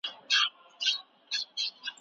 د تعليم حق باید ټولو ته ورکړل شي.